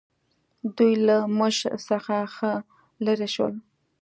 دوی له موږ څخه ښه لرې شول.